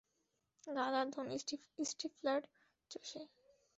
গাধার ধোন স্টিফলার চোষে!